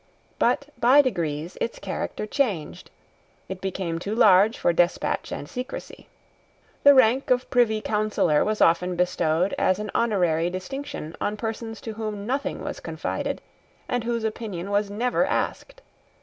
But by degrees its character changed. It became too large for despatch and secrecy. The rank of Privy Councillor was often bestowed as an honorary distinction on persons to whom nothing was confided, and whose opinion was never asked.